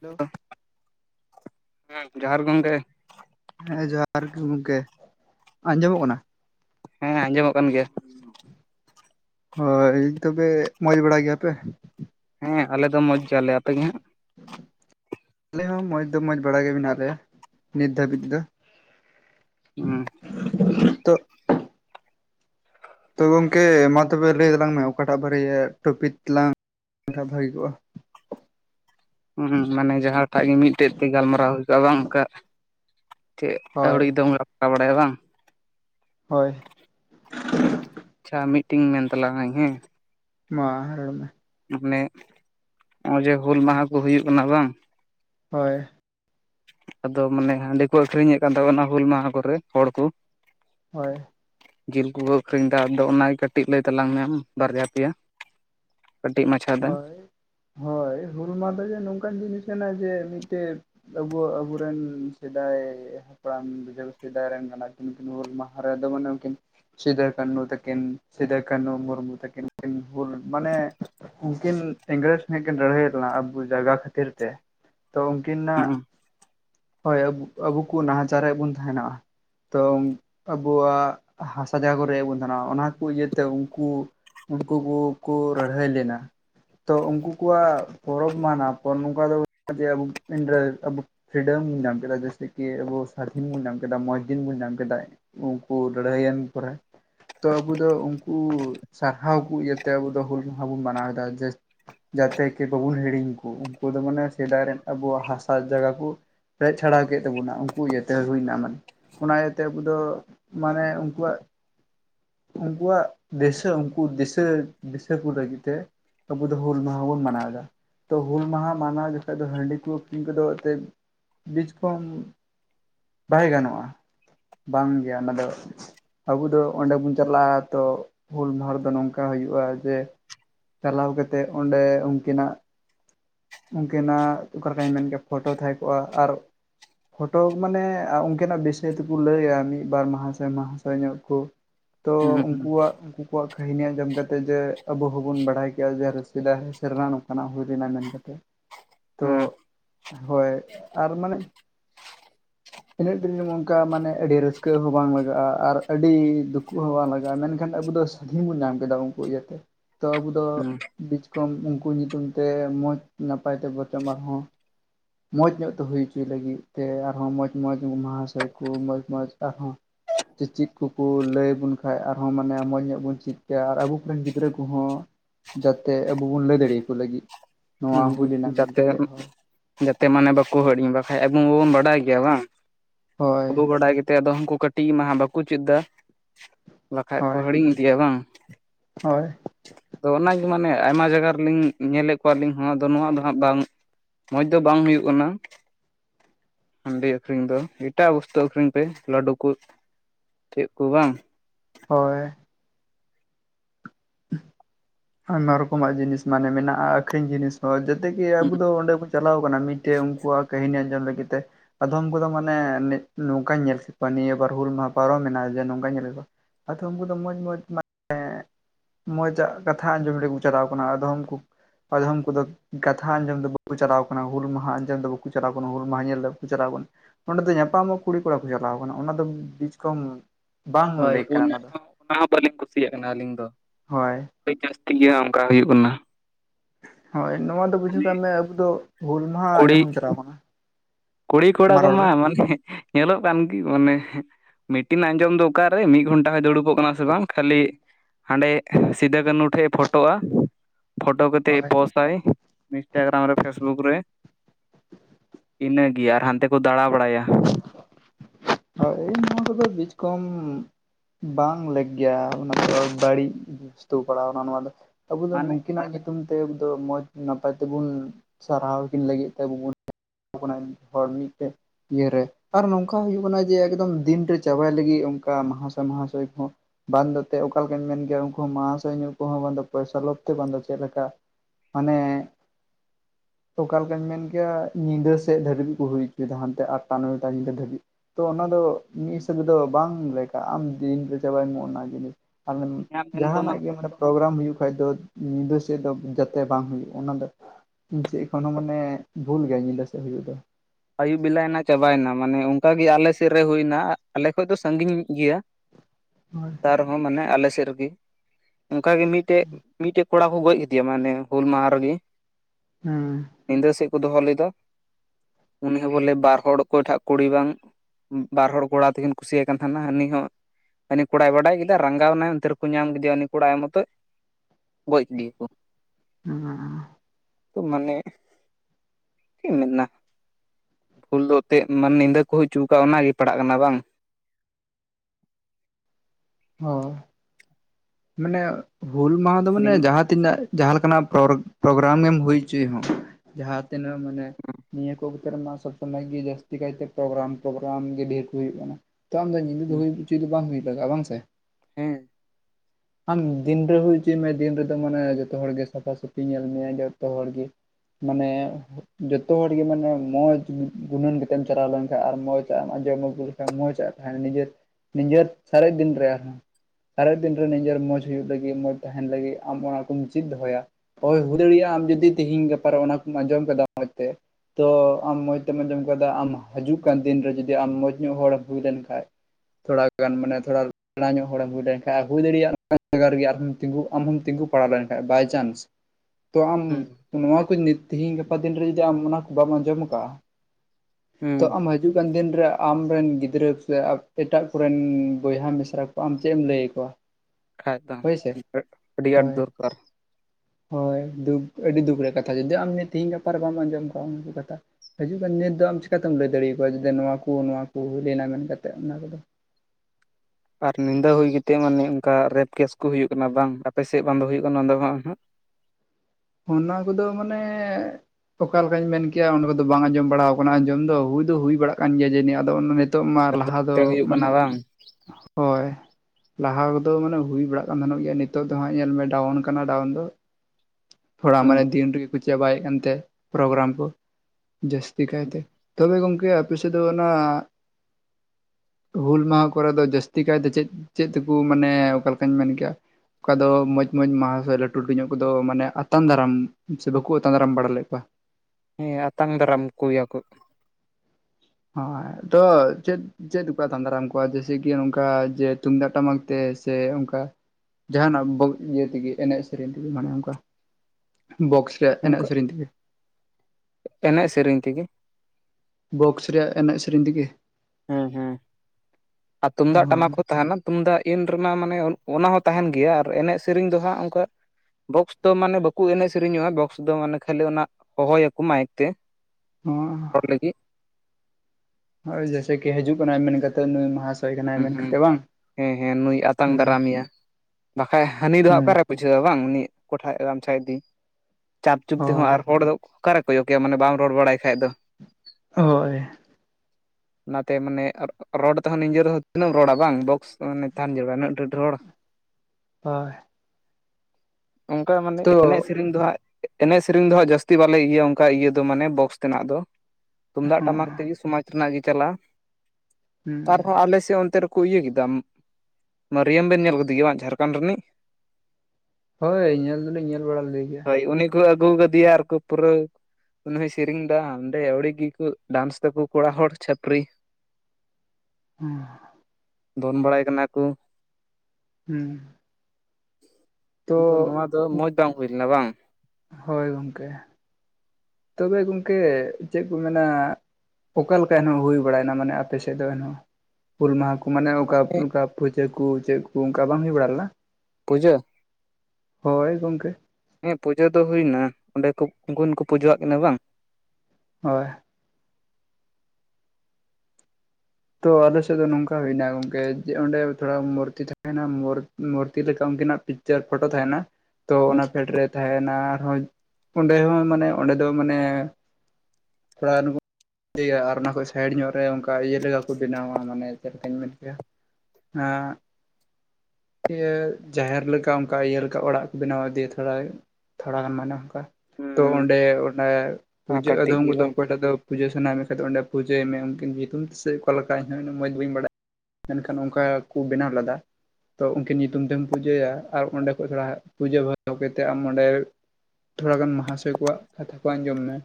Hello [inaudible] hello ᱡᱚᱦᱟᱨ ᱜᱚᱢᱠᱮ ᱾ ᱦᱮᱸ ᱡᱚᱦᱟᱨ ᱜᱮ ᱜᱚᱢᱠᱮ ᱾ ᱟᱸᱡᱚᱢᱚᱜ ᱠᱟᱱᱟ? ᱦᱮᱸ ᱟᱸᱡᱚᱢᱚᱜ ᱠᱟᱱ ᱜᱮᱭᱟ ᱾ ᱦᱚᱭ ᱛᱚᱵᱮ ᱢᱚᱡᱽ ᱵᱟᱲᱟ ᱜᱮᱭᱟᱯᱮ? ᱦᱮᱸ ᱟᱞᱮ ᱫᱚ ᱢᱚᱡᱽ ᱜᱮᱭᱟᱞᱮ ᱾ ᱟᱯᱮ ᱜᱮ ᱦᱟᱸᱜ? ᱟᱞᱮ ᱦᱚᱸ ᱢᱚᱸᱡᱽ ᱫᱚ ᱢᱚᱸᱡᱽ ᱵᱟᱲᱟᱜ ᱜᱮ ᱢᱮᱱᱟᱜ ᱞᱮᱭᱟ ᱱᱤᱛ ᱫᱷᱟᱹᱵᱤᱡ ᱛᱮ ᱫᱚ ᱾ ᱦᱩᱸ ᱾ ᱛᱚ ᱛᱚ ᱜᱚᱝᱠᱮ ᱢᱟ ᱛᱚᱵᱮ ᱞᱟᱹᱭ ᱫᱟᱞᱟᱝ ᱢᱮ ᱚᱠᱟᱴᱟᱜ ᱵᱟᱨᱭᱟ ᱴᱚᱯᱤᱠ ᱛᱮ ᱞᱟᱝ ᱠᱟᱛᱷᱟ ᱵᱷᱟᱜᱤ ᱠᱚᱜᱼᱟ? ᱦᱩᱸ ᱦᱩᱸ ᱢᱟᱱᱮ ᱡᱟᱦᱟᱸᱴᱟᱜ ᱜᱮ ᱢᱤᱫᱴᱮᱡ ᱛᱮ ᱜᱟᱞᱢᱟᱨᱟᱣ ᱦᱩᱭ ᱠᱚᱜᱼᱟ ᱵᱟᱝ ᱚᱱᱠᱟ ᱾ ᱪᱮᱫ ᱦᱳᱭ ᱟᱹᱣᱲᱤ ᱫᱚᱢ ᱵᱟᱯᱟᱣ ᱵᱟᱲᱟᱭᱟ ᱵᱟᱝ? ᱦᱥᱭ ᱾ ᱟᱪᱪᱷᱟ ᱢᱤᱫᱴᱮᱱ ᱢᱮᱱ ᱛᱟᱞᱟᱝ ᱤᱧ ᱦᱮᱸ ᱾ ᱢᱟ ᱨᱚᱲ ᱢᱮ ᱾ ᱢᱟᱱᱮ ᱱᱚᱜᱼᱚᱭ ᱡᱮ, ᱦᱩᱞ ᱢᱟᱱᱮ ᱢᱟᱦᱟ ᱠᱚ ᱦᱩᱭᱩᱜ ᱠᱟᱱᱟ ᱵᱟᱝ? ᱦᱚᱭ ᱾ ᱟᱫᱚ ᱢᱟᱱᱮ ᱦᱟᱺᱰᱤ ᱠᱚ ᱟᱹᱠᱷᱨᱤᱧᱮᱫ ᱠᱟᱱ ᱛᱟᱵᱚᱱᱟ ᱦᱩᱞ ᱢᱟᱦᱟ ᱠᱚᱨᱮ ᱦᱚᱲ ᱠᱚ ᱾ ᱦᱚᱭ ᱾ ᱡᱤᱞ ᱠᱚᱠᱚ ᱟᱹᱠᱷᱨᱤᱧ ᱮᱫᱟ, ᱟᱫᱚ ᱚᱱᱟ ᱜᱮ ᱠᱟᱹᱴᱤᱡ ᱞᱟᱹᱭ ᱛᱟᱞᱟᱝ ᱢᱮ ᱵᱟᱨᱭᱟ ᱯᱮᱭᱟ ᱾ ᱠᱟᱹᱴᱤᱡ ᱢᱟᱪᱷᱟ ᱾ ᱦᱳᱭ ᱦᱳᱭ ᱦᱩᱞ ᱢᱟᱦ ᱫᱚ ᱡᱮ ᱱᱚᱝᱠᱟᱱ ᱡᱤᱱᱤᱥ ᱠᱟᱱᱟ ᱡᱮ ᱢᱤᱫᱴᱮᱱ ᱾ ᱟᱵᱚ ᱟᱵᱚᱨᱮᱱ ᱥᱮᱫᱟᱭ ᱾ ᱦᱟᱯᱲᱟᱢ ᱵᱤᱫᱟᱞ ᱥᱤᱫᱟᱭ ᱨᱮᱱ ᱠᱟᱱᱟ ᱠᱤᱱ ᱢᱟᱦᱟᱨ ᱨᱮ ᱫᱚ ᱢᱟᱱᱮ ᱩᱱᱠᱤᱱ ᱾ ᱥᱤᱫᱟᱹ ᱠᱟᱹᱱᱷᱩ ᱛᱟᱹᱠᱤᱱ ᱥᱤᱫᱟᱹ ᱠᱟᱹᱱᱩ ᱢᱩᱨᱢᱩ ᱛᱟᱹᱠᱤᱱ ᱱᱠᱤᱱ ᱦᱩᱞ ᱢᱟᱱᱮ ᱾ ᱩᱱᱠᱤᱱ ᱤᱝᱨᱮᱡᱽ ᱥᱟᱦ ᱠᱤᱱ ᱞᱟᱹᱲᱦᱟᱹᱭ ᱞᱮᱱᱟ ᱟᱵᱚ ᱡᱟᱭᱜᱟ ᱠᱷᱟᱹᱛᱤᱨ ᱛᱮ ᱾ ᱛᱚ ᱩᱱᱠᱤᱱᱟᱜ ᱦᱩᱸ ᱦᱳᱭ ᱟᱵᱚ ᱠᱚ ᱱᱟᱦᱟᱪᱟᱨ ᱨᱮ ᱵᱚᱱ ᱛᱟᱦᱮᱱᱟ ᱾ ᱛᱚ ᱟᱵᱚᱣᱟᱜ ᱦᱟᱥᱟ ᱡᱟᱭᱜᱟ ᱠᱚᱨᱮ ᱵᱚᱱ ᱛᱟᱦᱮᱱᱟ ᱚᱱᱟ ᱠᱚ ᱤᱭᱟᱹ ᱛᱮ ᱩᱱᱠᱩ ᱾ ᱩᱱᱠᱩ ᱠᱚ ᱠᱚ ᱞᱟᱹᱲᱦᱟᱹᱭ ᱞᱮᱱᱟ ᱾ ᱛᱚ ᱩᱱᱠᱩ ᱠᱚᱣᱟᱜ ᱯᱚᱨᱚᱵᱽ ᱢᱟᱱᱟ ᱱᱚᱝᱠᱟ ᱫᱚ ᱵᱟᱹᱱᱩᱜ ᱟᱵᱚ ᱤᱱ ᱨᱮ ᱟᱵᱚ ᱯᱷᱨᱤᱰᱟᱹᱢ ᱵᱚᱱ ᱧᱟᱢ ᱠᱮᱫᱟ ᱡᱮᱥᱮ ᱠᱤ ᱟᱵᱚ ᱥᱟᱫᱷᱤᱱ ᱵᱚᱱ ᱧᱟᱢ ᱠᱮᱫᱟ ᱢᱚᱸᱡᱽᱫᱤᱱ ᱵᱚᱱ ᱧᱟᱢ ᱠᱮᱫᱟ᱾ ᱩᱱᱠᱩ ᱞᱟᱹᱲᱦᱟᱹᱭᱮᱱ ᱯᱚᱨᱮᱼᱼ ᱛᱚ ᱟᱵᱚ ᱫᱚ ᱩᱱᱠᱩ ᱥᱟᱨᱦᱟᱣ ᱠᱚ ᱤᱭᱟᱹᱛᱮ ᱟᱵᱚ ᱫᱚ ᱦᱩᱞ ᱢᱟᱦᱟ ᱵᱚᱱ ᱢᱟᱱᱟᱣ ᱮᱫᱟᱡᱟᱹᱥ ᱡᱟᱛᱮ ᱛᱮ ᱡᱮᱢᱚᱱ ᱵᱟᱵᱚᱱ ᱦᱤᱲᱤᱧ ᱠᱚ ᱩᱱᱠᱩ ᱫᱚ ᱢᱟᱱᱮ ᱥᱮᱫᱟᱭ ᱨᱮᱱ ᱟᱵᱚᱣᱟᱜ ᱦᱟᱥᱟ ᱡᱟᱭᱜᱟ ᱠᱚᱼᱼ ᱨᱮᱡ ᱪᱷᱟᱲᱟᱣ ᱠᱮᱫ ᱛᱟᱵᱚᱱᱟ ᱩᱱᱠᱩ ᱤᱭᱟᱹᱛᱮ ᱦᱩᱭᱱᱟ ᱚᱱᱟ ᱫᱚ᱾ ᱚᱱᱟ ᱤᱭᱟᱹᱛᱮ ᱟᱵᱚ ᱫᱚ ᱢᱟᱱᱮ ᱩᱱᱠᱩᱣᱟᱜ ᱩᱱᱠᱩᱣᱟᱜ ᱫᱤᱥᱟᱹ ᱩᱱᱠᱩ ᱫᱤᱥᱟᱹ ᱫᱤᱥᱟᱹ [inaudible] ᱞᱟᱹᱜᱤᱫ ᱛᱮ ᱟᱵᱚ ᱫᱚ ᱦᱩᱞ ᱢᱟᱦᱟ ᱵᱚᱱ ᱢᱟᱱᱟᱣ ᱮᱫᱟ᱾ ᱛᱚ ᱦᱩᱞ ᱢᱟᱦᱟ ᱢᱟᱱᱟᱣ ᱡᱚᱠᱷᱟᱹᱡ ᱫᱚ ᱦᱟᱺᱰᱤ ᱠᱚ ᱟᱹᱠᱷᱨᱤᱧ ᱠᱚᱫᱚ ᱮᱱᱛᱮᱫ ᱵᱤᱡ ᱠᱚᱢᱼᱼ ᱵᱟᱭ ᱜᱟᱱᱚᱜ-ᱟ ᱵᱟᱝ ᱜᱮ ᱚᱱᱟ ᱫᱚᱼᱼ ᱟᱵᱚ ᱫᱚ ᱚᱸᱰᱮ ᱵᱚᱱ ᱪᱟᱞᱟᱜ-ᱟ ᱛᱚ ᱦᱩᱞ ᱢᱟᱦᱟ ᱨᱮ ᱫᱚ ᱱᱚᱝᱠᱟ ᱦᱩᱭᱩᱜ-ᱟ ᱡᱮᱼᱼ ᱪᱟᱞᱟᱣ ᱠᱟᱛᱮᱫ ᱚᱸᱰᱮ ᱩᱱᱠᱤᱱᱟᱜᱼᱼ ᱩᱱᱠᱤᱱᱟᱜ ᱚᱠᱟ ᱞᱮᱠᱟᱧ ᱢᱮᱱᱠᱮᱭᱟ ᱯᱷᱳᱴᱳ ᱛᱟᱦᱮᱸ ᱠᱚᱜ-ᱟ ᱟᱨ᱾ ᱯᱷᱴᱚ ᱢᱟᱱᱮ ᱟᱸ ᱩᱝᱠᱤᱱᱟᱜ ᱵᱤᱥᱚᱭ ᱛᱮᱠᱚ ᱞᱟᱹᱭᱟ ᱢᱤᱫ ᱵᱟᱨ ᱢᱟᱦᱟᱥᱚᱭ ᱢᱟᱦᱟᱥᱚᱭ ᱧᱚᱜ ᱠᱚ᱾ ᱛᱚ ᱦᱩᱸ ᱩᱱᱠᱩᱣᱟᱜ ᱩᱱᱠᱩᱣᱟᱜ ᱠᱟᱹᱦᱱᱤ ᱟᱸᱡᱚᱢ ᱠᱟᱛᱮᱜ ᱡᱮᱼᱼ ᱟᱵᱚ ᱦᱚᱸᱵᱚᱱ ᱵᱟᱰᱟᱭ ᱠᱮᱭᱟ ᱡᱮ ᱨᱟᱥᱤᱫᱟ ᱨᱮ ᱥᱮᱨᱢᱟ ᱱᱚᱝᱠᱟᱱᱟᱜ ᱦᱩᱭ ᱞᱮᱱᱟ ᱢᱮᱱ ᱠᱟᱛᱮ ᱛᱚᱼᱼ ᱦᱩᱸ ᱦᱳᱭ ᱟᱨ ᱢᱟᱱᱮ [unintelligible] ᱤᱱᱟᱹᱜ ᱰᱷᱤᱨ ᱚᱱᱠᱟ ᱢᱟᱱᱮ ᱟᱹᱰᱤ ᱨᱟᱹᱥᱠᱟᱹ ᱦᱚᱸ ᱵᱟᱝ ᱞᱟᱜᱟᱜ-ᱟ ᱟᱨ ᱟᱹᱰᱤ ᱫᱩᱠᱩᱜ ᱦᱚᱸ ᱵᱟᱝ ᱞᱟᱜᱟᱜ-ᱟ ᱢᱮᱱᱠᱷᱟᱱ ᱟᱵᱚ ᱫᱚᱼ ᱥᱟᱹᱫᱷᱤᱱ ᱵᱚᱱ ᱧᱟᱢ ᱠᱮᱫᱟ ᱚᱱᱠᱚ ᱤᱭᱟᱹᱛᱮ ᱛᱚ ᱟᱵᱚ ᱫᱚ ᱦᱩᱸ ᱵᱤᱪ ᱠᱚᱢ ᱩᱱᱠᱩ ᱧᱩᱛᱩᱢ ᱛᱮ ᱢᱚᱸᱡᱽ ᱱᱟᱯᱟᱭ ᱛᱮ ᱵᱚᱨᱪᱚᱢ ᱟᱨ ᱦᱚᱸ ᱢᱚᱸᱡᱽ ᱧᱚᱜ ᱛᱮ ᱦᱩᱭ ᱚᱪᱚᱭ ᱞᱟᱹᱜᱤᱫ ᱛᱮ ᱟᱨᱦᱚᱸ ᱢᱚᱸᱡᱽ ᱢᱚᱸᱡᱽ ᱢᱟᱦᱟᱥᱚᱭ ᱠᱚ ᱢᱚᱸᱡᱽ ᱢᱚᱸᱡᱽ ᱟᱨᱦᱚᱸ ᱪᱤᱪᱤᱫ ᱠᱚᱠᱚ ᱞᱟᱹᱭ ᱭᱟᱵᱚᱱ ᱠᱷᱟᱡ ᱟᱨᱦᱚᱸ ᱢᱟᱱᱮ ᱢᱚᱸᱡᱽ ᱧᱚᱜ ᱵᱚᱱ ᱪᱤᱫ ᱠᱮᱭᱟ ᱟᱨ ᱟᱵᱚ ᱠᱚᱨᱮᱱ ᱜᱤᱫ ᱜᱤᱫᱽᱨᱟᱹ ᱠᱚᱦᱚᱸ ᱡᱟᱛᱮ ᱟᱵᱚ ᱵᱚᱱ ᱞᱟᱹᱭ ᱫᱟᱲᱮᱭᱠᱚ ᱞᱟᱹᱜᱤᱫᱼᱼ ᱦᱩᱸ ᱡᱟᱛᱮ ᱩᱸᱜ ᱡᱟᱛᱮ ᱢᱟᱱᱮ ᱵᱟᱠᱚ ᱦᱤᱲᱤᱧ ᱵᱟᱠᱟᱷᱟᱡ ᱟᱵᱚ ᱢᱟᱵᱚᱱ ᱵᱟᱰᱟᱭ ᱜᱮᱭᱟ ᱵᱟᱝ ᱦᱳᱭ ᱟᱵᱚ ᱵᱟᱰᱟᱭ ᱜᱮ ᱱᱚᱛᱮ ᱟᱫᱚ ᱩᱱᱠᱩ ᱠᱟᱹᱴᱤᱡ ᱠᱚ ᱢᱟᱦᱟᱜ ᱵᱟᱠᱚ ᱪᱮᱫ ᱮᱫᱟ ᱵᱟᱠᱷᱟᱡ ᱠᱚ ᱦᱳᱭ ᱦᱤᱲᱤᱧ ᱤᱫᱤᱭᱟ ᱵᱟᱝᱼᱼ ᱦᱳᱭ ᱟᱫᱚ ᱚᱱᱟᱜᱮ ᱢᱟᱱᱮ ᱟᱭᱢᱟ ᱡᱟᱭᱜᱟ ᱨᱮᱞᱤᱧ ᱧᱮᱞᱮᱫᱼᱼ ᱞᱤᱧ ᱦᱚᱸ ᱟᱫᱚ ᱱᱚᱣᱟ ᱫᱚ ᱦᱟᱜ ᱵᱟᱝ ᱢᱚᱡᱽ ᱫᱚ ᱵᱟᱝ ᱦᱩᱭᱩᱜ ᱠᱟᱱᱟ᱾ ᱦᱟᱺᱰᱤ ᱟᱹᱷᱨᱤᱧ ᱫᱚ ᱮᱴᱟᱜ ᱵᱚᱥᱛᱩ ᱟᱹᱷᱨᱤᱧ ᱯᱮ ᱞᱟᱹᱰᱩ ᱠᱚ᱾ ᱪᱮᱫ ᱠᱚ ᱵᱟᱝ ᱦᱳᱭ ᱟᱭᱢᱟ ᱨᱚᱠᱚᱢᱟᱜ ᱡᱤᱱᱤᱥ ᱢᱟᱱᱮ ᱢᱮᱱᱟᱜ-ᱟ ᱟᱹᱠᱷᱨᱤᱧ ᱡᱤᱱᱤᱥ ᱦᱚᱸ ᱛᱮᱜᱮ ᱟᱵᱚ ᱫᱚ ᱚᱸᱰᱮ ᱵᱚᱱ ᱪᱟᱞᱟᱣ ᱠᱟᱱᱟ ᱢᱤᱫᱴᱮᱡ ᱩᱱᱠᱩᱣᱟᱜ ᱠᱟᱹᱦᱤᱱᱤ ᱟᱸᱡᱚᱢ ᱞᱟᱹᱜᱤᱫ ᱛᱮᱼᱼ ᱟᱫᱚᱢ ᱠᱚᱫᱚ ᱢᱟᱱᱮ ᱱᱮ ᱱᱚᱝᱠᱟᱧ ᱧᱮᱞ ᱠᱮᱫ ᱠᱚᱣᱟ ᱱᱤᱭᱟᱹ ᱵᱟᱨ ᱦᱩᱞ ᱢᱟᱦᱟ ᱯᱟᱨᱚᱢ ᱢᱮᱱᱟ ᱡᱮ ᱱᱚᱝᱠᱟᱧ ᱧᱮᱞ ᱠᱮᱫ ᱠᱚᱣᱟ᱾ ᱟᱫᱚᱢ ᱠᱚᱫᱚ ᱢᱚᱡᱽ ᱢᱚᱡᱽ ᱢᱟᱱᱮ ᱢᱚᱡᱟᱜ ᱠᱟᱛᱷᱟ ᱟᱸᱡᱚᱢ ᱨᱮᱵᱚᱱ ᱪᱟᱞᱟᱣ ᱠᱟᱱᱟ ᱟᱫᱚᱢ ᱠᱚ ᱟᱫᱷᱚᱢ ᱠᱚᱫᱚ ᱠᱟᱛᱷᱟ ᱟᱸᱡᱚᱢ ᱫᱚ ᱵᱟᱠᱚ ᱪᱟᱞᱟᱣ ᱠᱟᱱᱟ ᱦᱩᱞ ᱢᱟᱦᱟ ᱟᱸᱡᱚᱢ ᱫᱚ ᱵᱟᱠᱚ ᱪᱟᱞᱟᱣ ᱠᱟᱱᱟ ᱦᱩᱞ ᱢᱟᱦᱟ ᱧᱮᱞ ᱫᱚ ᱵᱟᱠᱚ ᱪᱟᱞᱟᱣ ᱠᱟᱱᱟ ᱚᱸᱰᱮ ᱫᱚ ᱧᱟᱯᱟᱢᱚᱜ ᱠᱩᱲᱤ ᱠᱚᱲᱟ ᱠᱚ ᱪᱟᱞᱟᱣ ᱠᱟᱱᱟ ᱚᱱᱟ ᱫᱚ ᱵᱤᱡ ᱠᱚᱢ ᱵᱟᱝ ᱦᱳᱭ ᱞᱮᱠ ᱠᱟᱱᱟ ᱚᱱᱟ ᱫᱚ ᱦᱚᱸ ᱚᱱᱟ ᱦᱚᱸ ᱵᱟᱹᱞᱤᱧ ᱠᱩᱥᱤᱭᱟᱜ ᱠᱟᱱᱟ ᱟᱹᱞᱤᱧ ᱫᱚ᱾ ᱦᱳᱭ᱾ ᱦᱳᱭ ᱡᱟᱹᱥᱛᱤ ᱜᱮ ᱚᱱᱠᱟ ᱦᱩᱭᱩᱜ ᱠᱟᱱᱟ᱾ ᱦᱳᱭ ᱱᱚᱣᱟ ᱫᱚ ᱵᱩᱡᱷᱟᱹᱣ ᱢᱟᱱᱮ ᱠᱟᱜ ᱢᱮ ᱟᱵᱚ ᱫᱚ ᱦᱩᱞ ᱢᱟᱦᱟ ᱟᱸᱡᱚᱢ ᱠᱩᱲᱤ ᱵᱚᱱ ᱪᱟᱞᱟᱣ ᱠᱟᱱᱟ, ᱠᱩᱲᱤ ᱠᱚᱲᱟ ᱢᱟ ᱨᱚᱲ ᱠᱚᱢᱟ ᱢᱮ ᱢᱟᱱᱮ ᱧᱮᱞᱚᱜ ᱠᱟᱱ ᱜᱮ ᱢᱟᱱᱮ ᱢᱤᱴᱤᱱ ᱟᱸᱡᱚᱢ ᱫᱚ ᱚᱠᱟᱨᱮ ᱢᱤᱫ ᱜᱷᱚᱱᱴᱟ ᱦᱚᱭ ᱫᱩᱲᱩᱵᱚᱜ ᱠᱟᱱᱟ ᱥᱮ ᱵᱟᱝ ᱠᱷᱟᱹᱞᱤ ᱦᱟᱸᱰᱮ ᱥᱤᱫᱩ ᱠᱟᱹᱱᱦᱩ ᱴᱷᱮᱡ ᱮ ᱯᱷᱳᱴᱳᱜᱼᱟ, ᱯᱷᱳᱴᱳ ᱠᱚᱛᱮ ᱦᱳᱭ ᱯᱳᱥᱴ ᱟᱭ ᱤᱱᱥᱴᱮᱜᱨᱟᱢ, ᱯᱷᱮᱥᱵᱩᱠ ᱨᱮ ᱤᱱᱟᱹᱜᱤ ᱟᱨ ᱦᱟᱸᱱᱛᱮ ᱠᱚ ᱫᱟᱬᱟ ᱵᱟᱲᱟᱭᱟ᱾ ᱦᱳᱭ ᱱᱚᱣᱟ ᱠᱚᱫᱚ ᱵᱤᱪᱠᱚᱢ ᱵᱟᱝ ᱞᱮᱠ ᱜᱮᱭᱟ ᱚᱱᱟ ᱫᱚ ᱵᱟᱹᱲᱤᱡ ᱵᱩᱥᱛᱩ ᱯᱟᱲᱟᱣ ᱱᱟ ᱱᱚᱣᱟ ᱫᱚ ᱟᱵᱚ ᱫᱚ ᱢᱟᱱᱮ ᱱᱩᱠᱤᱱᱟᱜ ᱧᱩ ᱛᱩᱢ ᱛᱟᱭᱚᱢ ᱫᱚ ᱢᱚᱸᱡ ᱱᱟᱯᱟᱭ ᱛᱮᱵᱩᱱ ᱥᱟᱨᱦᱟᱣ ᱠᱤᱱ ᱞᱟᱹᱜᱤᱫ ᱛᱮ ᱟᱵᱩ ᱵᱚᱱ [inaudible] ᱦᱚᱲ ᱢᱤᱫᱴᱮᱡ ᱤᱭᱟᱹᱨᱮ ᱟᱨ ᱱᱚᱝᱠᱟ ᱦᱩᱭᱩᱜ ᱠᱟᱱᱟ ᱡᱮ ᱮᱠᱫᱚᱢ ᱫᱤᱱᱨᱮ ᱪᱟᱵᱟᱭ ᱞᱟᱹᱜᱤᱫ ᱚᱝᱠᱟ ᱢᱟᱦᱟᱥᱚᱭ ᱢᱟᱦᱟᱥᱚᱭ ᱠᱚ ᱦᱚᱸ ᱵᱟᱝ ᱫᱚ ᱚᱠᱟ ᱞᱮᱠᱟᱧ ᱢᱮᱱ ᱜᱮᱭᱟ ᱩᱝᱠᱩ ᱢᱟᱦᱟᱥᱧᱠᱩ ᱦᱚᱸ ᱵᱟᱝ ᱯᱚᱭᱥᱟ ᱞᱚᱵᱷ ᱵᱟᱝᱫᱚ ᱪᱮᱫ ᱞᱮᱠᱟ ᱢᱟᱱᱮ ᱚᱠᱟ ᱞᱮᱠᱟᱧ ᱢᱮᱱ ᱠᱮᱭᱟ ᱧᱤᱫᱟᱹ ᱥᱮᱫ ᱫᱷᱟᱹᱵᱤᱡ ᱠᱚ ᱦᱩᱭ ᱚᱪᱚᱭᱮᱫᱟ ᱦᱟᱸᱱ ᱛᱮ ᱟᱨᱴᱟ ᱱᱚᱭᱴᱟ ᱧᱤᱫᱟᱹ ᱫᱷᱟᱹᱵᱤᱡ ᱛᱚ ᱚᱱᱟ ᱫᱚ ᱢᱤᱫ ᱦᱤᱥᱟᱹᱵ ᱛᱫᱚ ᱵᱟᱝ ᱞᱮᱠᱟ ᱟᱢ ᱫᱤᱱ ᱨᱮ ᱪᱟᱵᱟᱭ ᱢᱮ ᱚᱱᱟ ᱡᱤᱱᱤᱥᱮ ᱟᱢ ᱤᱧᱟᱹᱜ ᱢᱮᱱᱫᱚ ᱡᱟᱦᱟᱸᱱᱟᱜ ᱢᱟᱱᱮ ᱜᱮ ᱱᱚᱰᱮᱸᱫᱚ ᱯᱨᱳᱜᱨᱟᱢ ᱦᱩᱭᱩᱜ ᱠᱷᱟᱡ ᱫᱚ ᱧᱤᱫᱟᱹ ᱥᱮᱫ ᱫᱚ ᱡᱟᱛᱮ ᱵᱟᱝ ᱦᱩᱭᱩᱜ ᱚᱱᱟ ᱫᱚ ᱤᱧ ᱥᱮᱫ ᱠᱷᱚᱱ ᱦᱚᱸ ᱢᱟᱱᱮ ᱵᱷᱩᱞ ᱜᱮᱭᱟ ᱧᱤᱫᱟᱹ ᱥᱮᱫ ᱦᱩᱭᱩᱜ ᱫᱚ᱾ ᱟᱭᱩᱵ ᱵᱮᱞᱟᱭᱮᱱᱟ ᱪᱟᱵᱟᱭᱱᱟ ᱢᱟᱱᱮ ᱚᱱᱠᱟᱜ ᱜᱮ ᱟᱞᱮ ᱥᱮᱫ ᱨᱮ ᱦᱩᱭᱱᱟ ᱟᱞᱮ ᱠᱷᱚᱡ ᱫᱚ ᱥᱟᱺᱜᱤᱧ ᱜᱮᱭᱟ, ᱦᱳᱭ ᱛᱟᱣ ᱨᱮᱦᱚᱸ ᱢᱟᱱᱮ ᱟᱞᱮ ᱥᱮᱫ ᱨᱮᱜᱤ᱾ ᱚᱝᱠᱟᱜ ᱜᱮ ᱢᱤᱫᱴᱮᱡ ᱢᱤᱫᱴᱮᱡ ᱠᱚᱲᱟ ᱠᱚ ᱜᱚᱡ ᱠᱮᱫᱮᱭᱟ ᱢᱟᱱᱮ ᱦᱩᱞ ᱢᱟᱦᱟ ᱨᱮᱜᱤ ᱦᱩᱸ᱾ ᱧᱤᱫᱟᱹ ᱥᱮᱫ ᱠᱚ ᱫᱚᱦᱚ ᱞᱮᱫᱟ᱾ ᱩᱱᱤ ᱦᱚᱸ ᱵᱚᱞᱮ ᱵᱟᱨ ᱦᱚᱲ ᱚᱠᱚᱭᱴᱷᱟᱜ ᱠᱩᱲᱤ ᱵᱟᱝ ᱵᱟᱨ ᱦᱚᱲ ᱠᱚᱲᱟ ᱛᱮᱠᱤᱱ ᱠᱩᱥᱤᱭᱟᱭ ᱠᱟᱱ ᱛᱟᱦᱮᱱᱟ ᱦᱟᱹᱱᱤ ᱦᱚᱸ ᱦᱟᱹᱱᱤ ᱠᱚᱲᱟᱭ ᱵᱟᱰᱟᱭ ᱠᱮᱫᱟᱭ ᱨᱟᱸᱜᱟᱣᱱᱟᱭ ᱚᱱᱛᱮ ᱨᱮᱠᱚ ᱧᱟᱢ ᱠᱮᱫᱮᱭᱟ ᱩᱱᱤ ᱠᱚᱲᱟᱭ ᱟᱡ ᱢᱚᱛᱚᱡ ᱜᱚᱡ ᱠᱮᱫᱮᱭᱟ ᱠᱚ᱾ ᱚ᱾ ᱛᱚ ᱢᱟᱱᱮ ᱪᱮᱫ ᱤᱧ ᱢᱮᱱᱟ, ᱵᱷᱩᱞ ᱫᱚ ᱛᱮᱜ ᱢᱟᱱᱮ ᱧᱤᱫᱟᱹ ᱠᱚ ᱦᱩᱭ ᱦᱚᱪᱚᱠᱟᱫᱼᱟ ᱚᱱᱟᱜᱮ ᱯᱟᱲᱟᱜ ᱠᱟᱱᱟ ᱵᱟᱝ? ᱦᱚ ᱢᱟᱱᱮ ᱦᱩᱞ ᱢᱟᱦᱟ ᱫᱚ ᱢᱟᱱᱮ ᱦᱮᱸ ᱡᱟᱦᱟᱸ ᱛᱤᱱᱟᱹᱜ ᱡᱟᱦᱟᱸ ᱞᱮᱠᱟᱱᱟᱜ ᱯᱨᱳᱜᱨᱟᱢ ᱮᱢ ᱦᱩᱭ ᱦᱚᱪᱚᱭ ᱦᱚ ᱡᱟᱦᱟᱸ ᱛᱤᱱᱟᱹᱜ ᱢᱟᱱᱮ ᱱᱤᱭᱟᱹ ᱠᱚ ᱠᱷᱮᱛ ᱨᱮᱱᱟᱜ ᱥᱚᱵ ᱥᱚᱢᱚᱭ ᱜᱮ ᱡᱟᱹᱥᱛᱤ ᱠᱟᱭᱛᱮ ᱯᱨᱳᱜᱨᱟᱢ ᱯᱨᱳᱜᱨᱟᱢ ᱜᱮ ᱰᱷᱮᱨ ᱠᱚ ᱦᱩᱭᱩᱜ ᱠᱟᱱᱟ ᱛᱚ ᱟᱢᱫᱚ ᱧᱤᱫᱟᱹ ᱫᱚ ᱦᱩᱭ ᱩᱪᱤᱛ ᱵᱟᱝ ᱦᱩᱭ ᱞᱟᱜᱟᱜᱼᱟ ᱵᱟᱝ ᱥᱮ? ᱦᱮᱸ᱾ ᱟᱢ ᱫᱤᱱ ᱨᱮ ᱦᱩᱭ ᱦᱚᱪᱚᱭ ᱢᱮ ᱫᱤᱱ ᱨᱮᱫᱚ ᱢᱟᱱᱮ ᱡᱚᱛᱚ ᱦᱚᱲᱜᱮ ᱥᱟᱯᱷᱟ ᱥᱟᱹᱯᱷᱤ ᱧᱮᱞ ᱢᱮᱟᱭ ᱡᱚᱛᱚ ᱦᱚᱲᱜᱮ᱾ ᱢᱟᱱᱮ ᱡᱚᱛᱚ ᱦᱚᱲᱜᱮ ᱢᱟᱱᱮ ᱢᱚᱸᱡ ᱜᱩᱱᱟᱹᱱ ᱠᱟᱛᱮᱢ ᱪᱟᱞᱟᱣ ᱞᱮᱱᱠᱷᱟᱱ ᱟᱨ ᱢᱚᱸᱡ ᱟ ᱟᱸᱡᱚᱢ ᱟᱜᱩ ᱢᱚᱸᱡᱽ ᱟᱜ ᱛᱟᱦᱮᱱᱟ ᱱᱤᱡᱮᱨ ᱱᱤᱡᱮᱨ ᱥᱟᱨᱮᱡ ᱫᱤᱱ ᱨᱮ ᱟᱨᱦᱚᱸᱼᱼ ᱫᱤᱱ ᱨᱮ ᱱᱤᱡᱮᱨ ᱢᱚᱸᱡᱽ ᱦᱩᱭᱩᱜ ᱞᱟᱹᱜᱤᱫ ᱢᱚᱸᱡᱽ ᱛᱟᱦᱮᱱ ᱞᱟᱹᱜᱤᱫ ᱟᱢ ᱚᱱᱟ ᱠᱚᱢ ᱪᱮᱫ ᱫᱚᱦᱚᱭᱟ ᱦᱳᱭ ᱦᱩᱭ ᱫᱟᱲᱮᱭᱟᱜᱼᱟ ᱟᱢ ᱡᱩᱫᱤ ᱛᱮᱦᱤᱧ ᱜᱟᱯᱟ ᱚᱱᱟ ᱠᱚᱢ ᱟᱸᱡᱚᱢ ᱠᱮᱫᱟ ᱢᱚᱸᱡᱽ ᱛᱮᱼᱼ ᱛᱚ ᱟᱢ ᱢᱚᱸᱡᱽ ᱛᱮᱢ ᱟᱸᱡᱚᱢ ᱠᱟᱫᱟ ᱟᱢ ᱦᱤᱡᱩᱜ ᱠᱟᱱ ᱫᱤᱱ ᱨᱮ ᱡᱩᱫᱤ ᱟᱢ ᱢᱚᱸᱡᱽ ᱧᱚᱜ ᱦᱚᱲ ᱮᱢ ᱦᱩᱭ ᱞᱮᱱ ᱠᱷᱟᱱ ᱛᱷᱚᱲᱟ ᱜᱟᱱ ᱢᱟᱱᱮ ᱛᱷᱚᱲᱟ ᱥᱮᱬᱟ ᱧᱚᱜ ᱦᱚᱲ ᱮᱢ ᱦᱩᱭ ᱞᱮᱱᱠᱷᱟᱱ [unintelligible] ᱦᱩᱭ ᱫᱟᱲᱮᱭᱟᱜ ᱡᱟᱭᱜᱟ ᱨᱮᱜᱮ ᱟᱨ ᱛᱤᱸᱜᱩ ᱟᱢᱦᱚᱢ ᱛᱤᱸᱜᱩ ᱯᱟᱲᱟᱣ ᱞᱮᱱᱠᱷᱟᱡ ᱵᱟᱭ ᱪᱟᱱᱥ ᱛᱚ ᱟᱢ ᱱᱚᱣᱟ ᱠᱚ ᱛᱤᱦᱤᱧ ᱜᱟᱯᱟ ᱫᱤᱱ ᱨᱮ ᱡᱩᱫᱤ ᱟᱢ ᱚᱱᱟ ᱠᱚ ᱵᱟᱢ ᱟᱸᱡᱚᱢ ᱟᱠᱟᱫᱼᱟ ᱦᱮᱸ ᱛᱚ ᱟᱢᱼᱼ ᱦᱤᱡᱩᱜ ᱠᱟᱱ ᱫᱤᱱ ᱨᱮ ᱟᱢ ᱨᱮᱱ ᱜᱤᱫᱽᱨᱟᱹ ᱥᱮ ᱮᱴᱟᱜ ᱠᱚᱨᱮᱱ ᱵᱚᱭᱦᱟ ᱢᱤᱥᱨᱟ ᱠᱚ ᱟᱢ ᱪᱮᱫ ᱮᱢ ᱞᱟᱹᱭ ᱟᱠᱚᱼᱼ ᱠᱚᱣᱟ [unintelligible] ᱟᱹᱰᱤ ᱟᱸᱴ ᱦᱳᱭ ᱫᱚᱨᱠᱟᱨᱼᱼ ᱦᱳᱭ ᱫᱩᱠ ᱟᱹᱰᱤ ᱫᱩᱠ ᱨᱮᱭᱟᱜ ᱠᱟᱛᱷᱟ ᱡᱩᱫᱤ ᱟᱢ ᱱᱮ ᱛᱮᱦᱤᱧ ᱜᱟᱯᱟ ᱨᱮ ᱵᱟᱢ ᱟᱸᱡᱚᱢ ᱠᱚᱣᱟ ᱩᱱᱠᱩ ᱠᱟᱛᱷᱟᱼᱼ ᱦᱤᱡᱩᱜ ᱠᱟᱱ ᱱᱤᱛ ᱫᱚ ᱟᱢ ᱪᱮᱠᱟ ᱛᱮᱢ ᱞᱟᱹᱭ ᱫᱟᱲᱮ ᱟᱠᱚᱣᱟ ᱡᱮ ᱱᱚᱣᱟ ᱠᱚ ᱱᱚᱣᱟ ᱠᱚ ᱦᱩᱭ ᱞᱮᱱᱟ ᱢᱮᱱ ᱠᱟᱛᱮᱫ ᱚᱱᱟ ᱠᱚᱫᱚᱼᱼ ᱟᱨ ᱧᱤᱫᱟᱹ ᱦᱩᱭ ᱠᱟᱛᱮᱫ ᱢᱟᱱᱮ ᱚᱱᱠᱟ ᱨᱮᱯ ᱠᱮᱥ ᱠᱚ ᱦᱩᱭᱩᱜ ᱠᱟᱱᱟ ᱵᱟᱝ ᱟᱯᱮ ᱥᱮᱫ ᱵᱟᱝ ᱫᱚ ᱦᱩᱭᱩᱜ ᱠᱟᱱᱟ ᱵᱟᱝ ᱫᱚ ᱵᱟᱝ ᱦᱟᱜ ᱚᱱᱟ ᱠᱚᱫᱚ ᱢᱟᱱᱮᱼᱼ ᱚᱠᱟ ᱞᱮᱠᱟᱧ ᱢᱮᱱ ᱠᱮᱭᱟ ᱚᱱᱟ ᱠᱚᱫᱚ ᱵᱟᱝ ᱟᱸᱡᱚᱢ ᱵᱟᱲᱟᱣ ᱟᱠᱟᱱᱟ ᱟᱸᱡᱚᱢ ᱫᱚ ᱦᱩᱭ ᱫᱚ ᱦᱩᱭ ᱵᱟᱲᱟᱜ ᱠᱟᱱ ᱜᱮᱭᱟ ᱡᱟᱹᱱᱤᱡ ᱟᱫᱚ ᱚᱱᱟᱼ ᱱᱤᱛᱚᱜ ᱢᱟ ᱞᱟᱦᱟ ᱫᱚ ᱛᱮ ᱦᱩᱭᱩᱜ ᱢᱟᱱᱮ ᱠᱟᱱᱟ ᱵᱟᱝ ᱦᱳᱭᱼᱼ ᱞᱟᱦᱟ ᱠᱚᱫᱚ ᱢᱟᱱᱮ ᱦᱩᱭ ᱵᱟᱲᱟᱜ ᱠᱟᱱ ᱛᱟᱦᱮᱱᱚᱜ ᱜᱮᱭᱟ ᱱᱤᱛᱚᱜ ᱫᱚ ᱦᱟᱸᱜ ᱧᱮᱞ ᱢᱮ ᱰᱟᱣᱩᱱ ᱠᱟᱱᱟ ᱰᱟᱣᱩᱱ ᱫᱚᱼᱼ ᱛᱷᱚᱲᱟ ᱢᱟᱱᱮ ᱫᱤᱱ ᱨᱮᱜᱮ ᱠᱚ ᱪᱟᱵᱟᱭ ᱮᱫ ᱠᱟᱱᱛᱮ ᱯᱨᱳᱜᱨᱟᱢ ᱠᱚ ᱡᱟᱹᱥᱛᱤ ᱠᱟᱭᱛᱮ ᱛᱚᱵᱮ ᱜᱚᱝᱠᱮ ᱟᱯᱮ ᱥᱮᱫ ᱫᱚ ᱚᱱᱟᱼᱼ ᱦᱩᱞ ᱢᱟᱦᱟ ᱠᱚᱨᱮ ᱫᱚ ᱡᱟᱹᱥᱛᱤ ᱠᱟᱭ ᱛᱮ ᱪᱮᱫ ᱪᱮᱫ ᱛᱮᱠᱚ ᱢᱟᱱᱮ ᱚᱠᱟ ᱞᱮᱠᱟᱧ ᱢᱮᱱ ᱠᱮᱭᱟ ᱚᱠᱟ ᱫᱚ ᱢᱚᱡᱽ ᱢᱚᱡᱽ ᱢᱟᱦᱟ ᱥᱮ ᱞᱟᱹᱴᱩ ᱞᱟᱹᱴᱩᱧᱚᱜ ᱠᱚᱫᱚ ᱢᱟᱱᱮ ᱟᱛᱟᱝ ᱫᱟᱨᱟᱢ ᱥᱮ ᱵᱟᱠᱚ ᱟᱛᱟᱝ ᱫᱟᱨᱟᱢ ᱵᱟᱲᱟ ᱞᱮᱫ ᱠᱚᱣᱟ ᱦᱮᱸ ᱟᱛᱟᱝ ᱫᱟᱨᱟᱢ ᱠᱚ ᱜᱮᱭᱟ ᱠᱚᱼᱼ ᱦᱳᱭ ᱟᱫᱚ ᱪᱮᱫᱼᱼ ᱪᱮᱫ ᱛᱮᱠᱚ ᱟᱛᱟᱝ ᱫᱟᱨᱟᱢ ᱠᱚᱣᱟ ᱡᱮᱥᱮ ᱠᱤ ᱱᱚᱝᱠᱟ ᱡᱮ ᱛᱩᱢᱫᱟᱜ ᱴᱟᱢᱟᱠ ᱛᱮ ᱥᱮ ᱚᱱᱠᱟᱼᱼ ᱡᱟᱦᱟᱱᱟᱜ [unintelligible] ᱤᱭᱟᱹ ᱛᱮᱜᱮ ᱮᱱᱮᱡ ᱥᱮᱨᱮᱧ ᱛᱮᱜᱮ ᱢᱟᱱᱮ ᱚᱱᱠᱟ ᱵᱚᱠᱥᱼᱼ ᱪᱮᱫ ᱮᱱᱮᱡ ᱥᱮᱨᱮᱧ ᱛᱮ ᱜᱮ ᱮᱱᱮᱡ ᱥᱮᱨᱮᱧ ᱛᱮᱜᱮ ᱵᱚᱠᱥ ᱨᱮᱭᱟᱜ ᱮᱱᱮᱡ ᱥᱮᱨᱮᱧ ᱛᱮᱜᱮᱼᱼ ᱦᱮᱸ ᱦᱮᱸ ᱟᱨ ᱛᱩᱢᱫᱟᱜ ᱴᱟᱢᱟᱠ ᱠᱚ ᱦᱳᱭ ᱛᱟᱦᱮᱱᱟ ᱛᱩᱢᱫᱟᱜ ᱤᱱ ᱨᱮᱢᱟ ᱢᱟᱱᱮ ᱚᱱᱟ ᱦᱚᱸ ᱛᱟᱦᱮᱱ ᱜᱮᱭᱟ ᱟᱨ ᱮᱱᱮᱡ ᱥᱮᱨᱮᱧ ᱫᱚ ᱦᱟᱸᱜ ᱚᱱᱠᱟᱼᱼ ᱵᱚᱠᱥ ᱫᱚ ᱢᱟᱱᱮ ᱵᱟᱠᱚ ᱮᱱᱮᱡ ᱥᱮᱨᱮᱧᱚᱜᱼᱟ ᱵᱚᱠᱥ ᱫᱚ ᱢᱟᱱᱮ ᱠᱷᱟᱹᱞᱤ ᱚᱱᱟ ᱦᱚᱦᱚᱭ ᱟᱠᱚ ᱢᱟᱭᱤᱠ ᱛᱮᱼᱼ ᱦᱚᱭ ᱡᱮᱭᱥᱮ ᱠᱤ ᱦᱤᱡᱩᱜ ᱠᱟᱱᱟᱭ ᱢᱮᱱ ᱠᱟᱛᱮ ᱱᱩᱭ ᱢᱟᱦᱼᱼ ᱦᱩᱸ ᱦᱩᱸ ᱦᱮᱸ ᱦᱮᱸ ᱱᱩᱭ ᱟᱛᱟᱝ ᱦᱩᱸ ᱫᱟᱨᱟᱢᱮᱭᱟ ᱵᱟᱠᱦᱟᱭ ᱦᱟᱹᱱᱤ ᱫᱚ ᱦᱟᱸᱜ ᱦᱩᱸ ᱚᱠᱟ ᱨᱮᱼᱼ ᱵᱩᱡᱷᱟᱹᱣᱟ ᱵᱟᱝ ᱩᱱᱤ ᱠᱚᱴᱷᱟᱭ ᱜᱟᱢᱪᱷᱟ ᱤᱫᱤ ᱪᱟᱯ ᱪᱩᱯ ᱛᱮ ᱦᱚᱸ ᱦᱳᱭ ᱟᱨ ᱦᱚᱲ ᱫᱚᱼᱼ ᱚᱠᱟ ᱨᱮ ᱠᱚᱭᱚᱜ ᱜᱮᱭᱟ ᱢᱟᱱᱮ ᱵᱟᱢ ᱨᱚᱲ ᱵᱟᱲᱟᱭ ᱠᱷᱟᱡ ᱫᱚ ᱦᱳᱭ ᱚᱱᱟ ᱛᱮ ᱢᱟᱱᱮ ᱨᱳᱰ ᱛᱚ ᱱᱤᱧᱡᱮ ᱨᱮᱦᱚᱸ ᱛᱤᱱᱟᱹᱜ ᱮᱢ ᱨᱚᱲᱟ ᱵᱟᱝ ᱵᱚᱠᱥ [unintelligible] ᱛᱟᱦᱮᱱ ᱡᱟᱹᱨᱩᱲᱟ ᱩᱱᱟᱹᱜ ᱰᱦᱮᱨ ᱰᱦᱮᱨ ᱦᱚᱲ ᱦᱳᱭ ᱚᱱᱠᱟ ᱢᱟᱱᱮ ᱛᱚ ᱮᱱᱮᱡ ᱥᱮᱨᱮᱧ [unintelligible] ᱫᱚ ᱦᱟᱸᱜ ᱮᱱᱮᱡ ᱥᱮᱨᱮᱧ ᱫᱚ ᱦᱟᱸᱜ ᱡᱟᱹᱥᱛᱤ ᱵᱟᱞᱮ ᱤᱭᱟᱹ ᱚᱱᱠᱟ ᱤᱭᱟᱹ ᱫᱚ ᱢᱟᱱᱮ ᱵᱚᱠᱥ ᱛᱮᱱᱟᱜ ᱫᱚᱼᱼ ᱛᱩᱢᱫᱟᱜ ᱴᱟᱢᱟᱠ ᱦᱚᱸ ᱛᱮᱜᱮ ᱥᱚᱢᱟᱡᱽ ᱨᱮᱱᱟᱜ ᱜᱮ ᱪᱟᱞᱟᱜᱼᱟ ᱟᱨ ᱦᱩᱸ ᱦᱚᱸ ᱟᱞᱮᱼᱼ ᱞᱮ ᱚᱱᱛᱮ ᱨᱮᱠᱚ ᱤᱭᱟᱹ ᱠᱮᱫᱟᱢ ᱢᱟᱨᱤᱭᱟᱢ ᱵᱮᱱ ᱧᱮᱞ ᱠᱮᱫᱮ ᱜᱮᱭᱟ ᱵᱟᱝ ᱡᱷᱟᱲᱠᱷᱚᱸᱰ ᱨᱤᱱᱤᱡ᱾ ᱦᱳᱭ ᱧᱮᱞ ᱫᱚᱞᱤᱧ ᱧᱮᱞ ᱵᱟᱲᱟ ᱞᱮᱫᱮ ᱜᱮᱭᱟ᱾ ᱦᱳᱭ ᱩᱱᱤ ᱠᱚ ᱟᱹᱜᱩ ᱠᱟᱫᱮᱭᱟ ᱟᱨᱠᱚ ᱯᱩᱨᱟᱹ ᱩᱱᱤ ᱦᱩᱭ ᱥᱮᱨᱮᱧ ᱮᱫᱟ ᱚᱸᱰᱮ ᱟᱹᱣᱲᱤ ᱜᱮᱠᱚ ᱰᱟᱱᱥ ᱫᱟᱠᱚ ᱠᱚᱲᱟ ᱦᱚᱲ ᱪᱷᱟᱹᱯᱨᱤ᱾ ᱦᱩᱸ, ᱫᱚᱱ ᱵᱟᱲᱟᱭ ᱠᱟᱱᱟ ᱠᱚ᱾ ᱦᱩᱸ, ᱛᱚ ᱟᱫᱚ ᱱᱚᱣᱟ ᱫᱚ ᱢᱚᱡᱽ ᱵᱟᱝ ᱦᱩᱭ ᱞᱮᱱᱟ ᱵᱟᱝ? ᱦᱳᱭ ᱜᱚᱝᱠᱮ᱾ ᱛᱚᱵᱮ ᱜᱚᱝᱠᱮ ᱪᱮᱫ ᱠᱚ ᱢᱮᱱᱟ, ᱚᱠᱟᱞᱮᱠᱟ ᱮᱱᱦᱚᱸ ᱦᱩᱭ ᱵᱟᱲᱟᱭᱮᱱᱟ ᱢᱟᱱᱮ ᱟᱯᱮ ᱥᱮᱫ ᱫᱚ ᱮᱱᱦᱚᱸ ᱦᱩᱞ ᱢᱟᱦᱟ ᱠᱚ? ᱢᱟᱱᱮ ᱚᱱᱠᱟ ᱦᱮᱸ ᱚᱱᱠᱟ ᱯᱷᱩᱭᱪᱟᱹ ᱠᱚ ᱪᱮᱫ ᱠᱚ ᱚᱱᱠᱟ ᱵᱟᱝ ᱦᱩᱭ ᱵᱟᱲᱟ ᱞᱮᱱᱟ? ᱯᱩᱡᱟᱹ? ᱦᱳᱭ ᱜᱚᱢᱠᱮ᱾ ᱦᱮᱸ ᱯᱩᱡᱟᱹ ᱫᱚ ᱦᱩᱭ ᱮᱱᱟ ᱚᱸᱰᱮ ᱠᱚ ᱜᱩᱱ ᱠᱚ ᱯᱩᱡᱟᱹᱣᱟᱜ ᱠᱤᱱᱟ ᱵᱟᱝ? ᱦᱳᱭ᱾ ᱛᱚ ᱟᱞᱮ ᱥᱮᱫ ᱫᱚ ᱱᱚᱝᱠᱟ ᱦᱩᱭᱱᱟ ᱜᱚᱝᱠᱮ ᱡᱮ ᱚᱸᱰᱮ ᱛᱷᱚᱲᱟ ᱢᱩᱨᱛᱤ ᱛᱟᱦᱮᱱᱟ ᱢᱩᱨᱛᱤ ᱢᱩᱨᱛᱤ ᱞᱮᱠᱟ ᱩᱱᱠᱤᱱᱟᱜ ᱯᱤᱠᱪᱟᱨ ᱯᱷᱳᱴᱳ ᱛᱟᱦᱮᱱᱟ ᱛᱚ ᱚᱱᱟ ᱯᱷᱮᱰ ᱨᱮ ᱛᱟᱦᱮᱱᱟ ᱟᱨᱦᱚᱸ ᱚᱸᱰᱮ ᱦᱚᱸ ᱢᱟᱱᱮ ᱚᱸᱰᱮ ᱫᱚ ᱢᱟᱱᱮ, ᱛᱷᱚᱲᱟ ᱟᱱᱩ ᱤᱭᱟᱹᱭᱟ ᱟᱨ ᱚᱱᱟ ᱠᱷᱚᱱ ᱥᱟᱭᱤᱰ ᱧᱚᱜ ᱨᱮ ᱚᱱᱠᱟ ᱤᱭᱟᱹ ᱞᱮᱠᱟ ᱠᱚ ᱠᱚ ᱵᱮᱱᱟᱣᱟ ᱢᱟᱱᱮ ᱪᱮᱫ ᱞᱮᱠᱟᱧ ᱢᱮᱱ ᱠᱮᱭᱟ ᱟᱸᱜ ᱤᱭᱟᱹ ᱡᱟᱦᱮᱨ ᱞᱮᱠᱟ ᱚᱱᱠᱟ ᱤᱭᱟᱹ ᱞᱮᱠᱟ ᱚᱲᱟᱜ ᱠᱚ ᱵᱮᱱᱟᱣ ᱫᱤᱭᱮ ᱛᱷᱚᱲᱟ ᱛᱷᱚᱲᱟᱜᱟᱱ ᱢᱟᱱᱮ ᱚᱱᱠᱟ ᱛᱚ ᱚᱸᱰᱮ ᱚᱱᱰᱮ ᱦᱩᱸ ᱯᱩᱡᱟᱹ ᱠᱟᱹᱴᱤᱡ ᱟᱫᱚᱢ ᱜᱮ ᱠᱩ ᱫᱚ ᱵᱟᱝ ᱚᱠᱚᱭᱴᱟᱜ ᱫᱚ ᱯᱩᱡᱟᱹ ᱥᱟᱱᱟᱭ ᱢᱮᱠᱟᱱ ᱫᱚ ᱚᱸᱰᱮ ᱯᱩᱡᱟᱹᱭ ᱢᱮ ᱩᱱᱠᱤᱱ ᱧᱩᱛᱩᱢ ᱛᱮ ᱥᱮ? ᱚᱠᱟ ᱞᱮᱠᱟ ᱤᱧᱦᱚᱸ ᱩᱱᱟᱹᱜ ᱢᱚᱡᱽ ᱵᱟᱹᱧ ᱵᱟᱲᱟᱭᱟ ᱢᱮᱱᱠᱷᱟᱱ ᱚᱱᱠᱟ ᱠᱚ ᱵᱮᱱᱟᱣ ᱞᱮᱫᱟ᱾ ᱛᱚ ᱩᱱᱠᱤᱱ ᱧᱩᱛᱩᱢ ᱛᱮᱢ ᱯᱩᱡᱟᱹᱭᱟ ᱟᱨ ᱚᱸᱰᱮ ᱠᱷᱚᱡ ᱛᱷᱚᱲᱟ ᱯᱩᱡᱟᱹ ᱵᱟᱲᱟ ᱠᱟᱛᱮᱫ ᱟᱢ ᱚᱸᱰᱮ ᱛᱷᱚᱲᱟ ᱜᱟᱱ ᱢᱚᱦᱟᱥᱚᱭ ᱠᱚᱣᱟᱜ ᱠᱟᱛᱷᱟ ᱠᱚ ᱟᱸᱡᱚᱢ ᱢᱮ᱾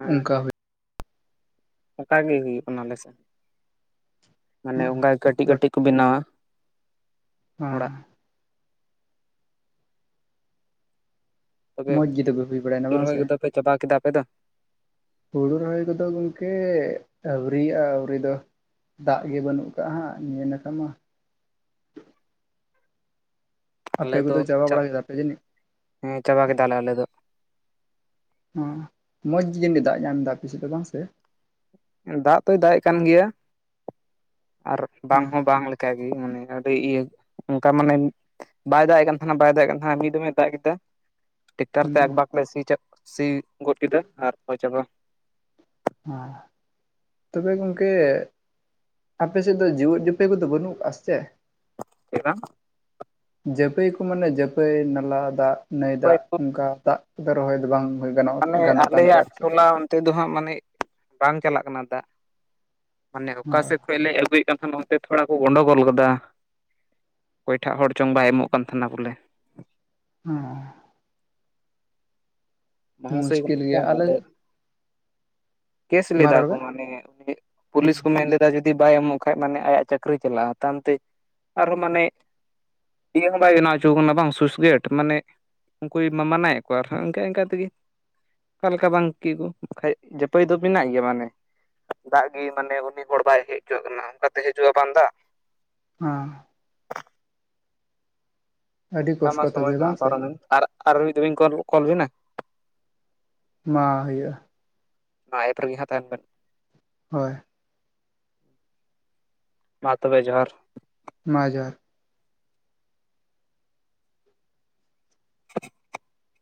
ᱦᱮᱸ ᱚᱱᱠᱟ ᱦᱮᱸ, ᱚᱱᱠᱟ ᱜᱮ ᱦᱩᱭᱩᱜ ᱠᱟᱱᱟ ᱟᱞᱮᱥᱮᱫ ᱢᱟᱱᱮ ᱦᱩᱭᱩᱜᱼᱟ ᱚᱱᱠᱟ ᱠᱟᱹᱴᱤᱡ ᱛᱚ ᱠᱟᱹᱴᱤᱡ ᱠᱚ ᱵᱮᱱᱟᱣᱟ᱾᱾ ᱚᱲᱟᱜ ᱦᱮᱸ, ᱢᱚᱡᱽ ᱜᱮ ᱛᱚᱵᱮ ᱦᱩᱭ ᱵᱟᱲᱟᱭᱱᱟ ᱦᱩᱲᱩ ᱵᱟᱝ ᱨᱚᱦᱚᱭ ᱥᱮ? ᱠᱚᱫᱚ ᱯᱮ ᱪᱟᱵᱟ ᱠᱮᱫᱟ ᱟᱯᱮ ᱫᱚ ᱦᱩᱲᱩ ᱨᱚᱦᱚᱭ ᱠᱚᱫᱚ ᱜᱚᱢᱠᱮ ᱟᱹᱣᱨᱤᱭᱟᱜᱼᱟ ᱟᱹᱣᱨᱤ ᱫᱚ, ᱫᱟᱜ ᱜᱮ ᱵᱟᱹᱱᱩᱜ ᱟᱠᱟᱫ ᱦᱟᱸᱜ ᱱᱤᱭᱟᱹ ᱱᱟᱠᱷᱟ ᱢᱟ? ᱟᱯᱮ ᱟᱞᱮ ᱫᱚ ᱠᱚᱫᱚ ᱪᱟᱵᱟ ᱵᱟᱲᱟ ᱪᱟᱜ, ᱠᱮᱫᱟ ᱯᱮ ᱡᱟᱹᱱᱤᱡ ᱦᱮᱸ ᱪᱟᱵᱟ ᱠᱮᱫᱟᱞᱮ ᱟᱞᱮ ᱫᱚ᱾ ᱦᱚᱸ ᱢᱚᱡᱽ ᱜᱮ ᱡᱟᱹᱱᱤᱡ ᱫᱟᱜ ᱧᱟᱢ ᱮᱫᱟ ᱟᱯᱮᱥᱮᱫ ᱫᱚ ᱵᱟᱝ ᱥᱮ? ᱫᱟᱜ ᱫᱚᱭ ᱫᱟᱜ ᱮᱜ ᱠᱟᱱ ᱜᱮᱭᱟ ᱟᱨ ᱵᱟᱝ ᱦᱮᱸ ᱦᱚᱸ ᱵᱟᱝ ᱞᱮ ᱠᱟᱜᱮ ᱢᱟᱱᱮ ᱟᱹᱰᱤ ᱤᱭᱟᱹ ᱚᱱᱠᱟ ᱢᱟᱱᱮ, ᱵᱟᱭ ᱫᱟᱜ ᱮᱫ ᱠᱟᱱ ᱛᱟᱦᱮᱱᱟ ᱵᱟᱭ ᱫᱟᱜ ᱮ ᱠᱟᱱ ᱛᱟᱦᱮᱱᱟ ᱢᱤᱫ ᱫᱚᱢᱮ ᱫᱟᱜ ᱠᱮᱫᱟ᱾ ᱴᱮᱠᱴᱟᱨ ᱦᱩᱸ ᱛᱮ ᱟᱠᱵᱟᱠ ᱞᱮ ᱥᱤ, ᱥᱤ ᱜᱚᱫ ᱠᱮᱫᱟ ᱟᱨ ᱨᱚᱦᱚᱭ ᱪᱟᱵᱟ᱾ [inaudible] ᱛᱚᱵᱮ ᱜᱚᱝᱠᱮ ᱟᱯᱮ ᱥᱮᱫ ᱫᱚ ᱡᱤᱣᱮᱫ ᱡᱤᱯᱮ ᱠᱚᱫᱚ ᱵᱟᱹᱱᱩᱜ ᱠᱟᱜᱼᱟ ᱥᱮ ᱪᱮᱫ? ᱪᱮᱫᱠᱟ? ᱡᱟᱹᱯᱟᱹᱭ ᱠᱚ ᱢᱟᱱᱮ ᱡᱟᱹᱯᱟᱹᱭ ᱱᱟᱞᱟ ᱫᱟᱜ ᱱᱟᱹᱭ ᱚᱠᱚᱭ ᱫᱟᱜ ᱠᱚ ᱚᱱᱠᱟ ᱫᱟᱜ ᱫᱚ ᱨᱚᱦᱚᱭ ᱫᱚ ᱵᱟᱝ? ᱦᱩᱭ ᱜᱟᱱᱚᱜ ᱢᱟᱱᱮ ᱜᱟᱱᱚᱜ ᱠᱟᱱᱛᱮ ᱟᱞᱮᱭᱟᱜ ᱟᱯᱮ ᱥᱮᱫ ᱫᱚ ᱦᱮᱸ ᱴᱚᱞᱟ ᱱᱚᱛᱮᱫ ᱫᱚ ᱦᱟᱸᱜ ᱢᱟᱱᱮ ᱵᱟᱝ ᱪᱟᱞᱟᱜ ᱠᱟᱱᱟ ᱫᱟᱜ, ᱢᱟᱱᱮ ᱚᱠᱟ ᱥᱮᱫ ᱠᱷᱚᱱ ᱞᱮ ᱟᱹᱜᱩᱭ ᱚᱱᱛᱮ ᱛᱷᱚᱲᱟ ᱠᱚ ᱜᱚᱸᱰᱚᱜᱚᱞ ᱜᱚᱫᱟ ᱚᱠᱚᱭᱴᱟᱜ ᱦᱚᱲ ᱪᱚᱝ ᱵᱟᱭ ᱮᱢᱚᱜ ᱠᱟᱱ ᱛᱟᱦᱮᱱᱟ ᱵᱚᱞᱮ᱾ ᱦᱚᱸ᱾ ᱢᱚᱦᱟᱥᱚᱭ ᱢᱩᱥᱠᱤᱞ ᱜᱮᱭᱟ ᱵᱟᱝ ᱟᱞᱟᱜ ᱟᱫᱚ ᱠᱮᱥ ᱞᱮᱫᱟ ᱨᱚᱲ ᱠᱚ ᱵᱮᱱ ᱢᱟᱱᱮ ᱦᱮᱸ ᱯᱩᱞᱤᱥ ᱠᱚ ᱢᱮᱱ ᱞᱮᱫᱟ ᱪᱮᱫᱟᱜ ᱡᱩᱫᱤ ᱵᱟᱭ ᱮᱢᱚᱜ ᱠᱷᱟᱡ ᱢᱟᱱᱮ ᱟᱭᱟᱜ ᱪᱟᱹᱠᱨᱤ ᱪᱟᱞᱟᱜᱼᱟ ᱛᱟᱢ ᱛᱮ ᱟᱨᱦᱚᱸ ᱢᱟᱱᱮ ᱤᱭᱟᱹ ᱦᱚᱸ ᱵᱟᱭ ᱵᱮᱱᱟᱣ ᱦᱚᱪᱚ ᱠᱟᱱᱟ ᱵᱟᱝ ᱥᱩᱥ ᱜᱮᱴ ᱢᱟᱱᱮ ᱩᱱᱠᱩᱭ ᱢᱟᱱᱟᱣᱮᱫ ᱠᱚᱣᱟ ᱟᱨᱦᱚᱸ ᱤᱱᱠᱩ ᱮᱱᱠᱟ ᱛᱮᱜᱮ ᱚᱠᱟ ᱞᱮᱠᱟ ᱵᱟᱝ ᱠᱤᱱ ᱠᱚ ᱵᱟᱠᱷᱟᱡ ᱡᱟᱹᱯᱟᱹᱭ ᱫᱚ ᱢᱮᱱᱟᱜ ᱜᱮᱭᱟ ᱢᱟᱱᱮ ᱫᱟᱜ ᱜᱮ ᱢᱟᱱᱮ ᱩᱱᱤ ᱦᱚᱲ ᱵᱟᱭ ᱦᱮᱡ ᱦᱚᱪᱚᱣᱟᱜ ᱠᱟᱱᱟ ᱚᱱᱠᱟᱛᱮ ᱦᱤᱡᱩᱜᱼᱟ ᱵᱟᱝ ᱫᱟᱜ᱾ ᱦᱚᱸ᱾ ᱟᱹᱰᱤ ᱛᱟᱢᱟ ᱠᱚᱥᱴᱚ ᱥᱚᱢᱚᱭ ᱛᱚᱵᱮ ᱢᱟ ᱵᱟᱝ ᱥᱮ ᱯᱟᱨᱚᱢ ᱮᱱ ᱟᱨ ᱟᱨ ᱢᱤᱫ ᱫᱷᱟᱣᱤᱱ ᱠᱚᱞ ᱵᱤᱱᱟ᱾ ᱢᱲ ᱦᱩᱭᱩᱜᱼᱟ᱾ ᱱᱟᱣᱟ ᱮᱯ ᱨᱮᱜᱮ ᱦᱟᱸᱜ ᱛᱟᱦᱮᱱ ᱵᱤᱱ᱾ ᱦᱚᱭ᱾ ᱢᱟ ᱛᱚᱵᱮ ᱡᱚᱦᱟᱨ᱾ ᱢᱟ ᱡᱚᱦᱟᱨ᱾ [inaudible]